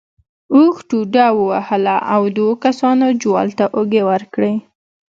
اوښ ټوډه ووهله او دوو کسانو جوال ته اوږې ورکړې.